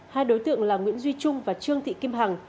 hai đối tượng là nguyễn duy trung và trương thị kim hằng